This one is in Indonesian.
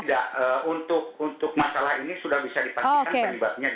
tidak untuk masalah ini sudah bisa dipastikan penyebabnya gas